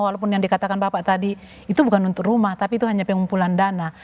walaupun yang dikatakan bapak tadi itu bukan untuk rumah tapi itu hanya pengumpulan dana